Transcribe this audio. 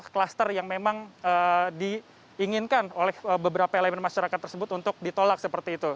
kluster yang memang diinginkan oleh beberapa elemen masyarakat tersebut untuk ditolak seperti itu